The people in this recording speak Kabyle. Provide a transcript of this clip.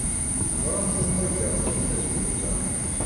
Teẓramt anwa ay yerẓan tazewwut-a?